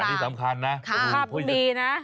อันนี้สำคัญนะพูดดีนะค่ะค่ะพูดดีนะ